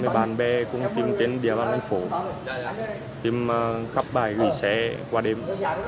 bạn bè cũng tìm trên địa bàn đông phố tìm khắp bãi gửi xe qua đêm